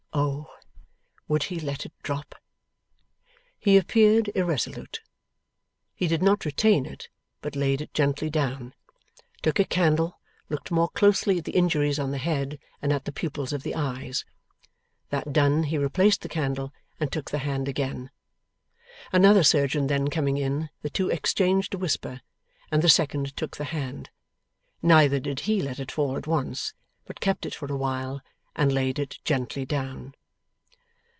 O! would he let it drop? He appeared irresolute. He did not retain it, but laid it gently down, took a candle, looked more closely at the injuries on the head, and at the pupils of the eyes. That done, he replaced the candle and took the hand again. Another surgeon then coming in, the two exchanged a whisper, and the second took the hand. Neither did he let it fall at once, but kept it for a while and laid it gently down.